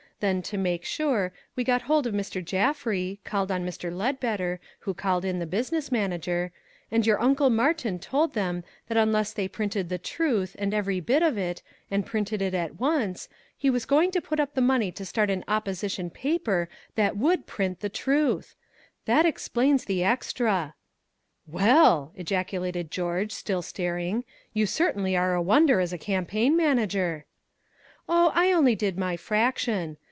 Then, to make sure, we got hold of Mr. Jaffry, called on Mr. Ledbetter, who called in the business manager and your Uncle Martin told them that unless they printed the truth, and every bit of it, and printed it at once, he was going to put up the money to start an opposition paper that would print the truth. That explains the extra 'Well'," ejaculated George, still staring, "you certainly are a wonder as a campaign manager!" "Oh, I only did my fraction.